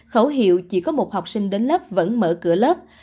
khẩu hiệu chỉ có một học sinh đến lớp vẫn mở cửa lớp